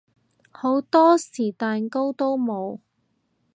好多時蛋糕都冇